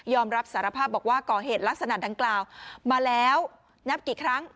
รับสารภาพบอกว่าก่อเหตุลักษณะดังกล่าวมาแล้วนับกี่ครั้ง